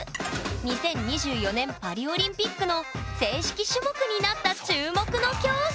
２０２４年パリオリンピックの正式種目になった注目の競技！